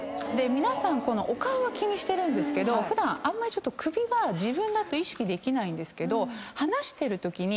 皆さんお顔は気にしてますけど普段あんまり首は自分だと意識できないんですけど話してるときに口が動くと。